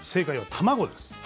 卵です。